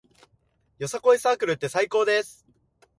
よさこいサークルって最高です